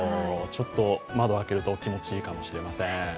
ちょっと窓開けると気持ちいいかもしれません。